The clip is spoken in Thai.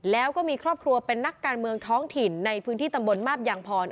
แล้วก็มีครอบครัวเป็นนักการเมืองท้องถิ่นในพื้นที่ตำบลมาบยางพร